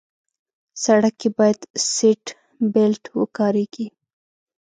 سړک کې باید سیټ بیلټ وکارېږي.